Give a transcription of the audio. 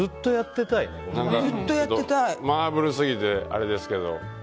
マーブル過ぎてあれですけど。